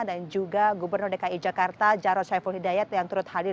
dan juga gubernur dki jakarta jarod syaiful hidayat yang turut berkata